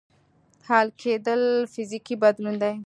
حل کېدل فزیکي بدلون دی.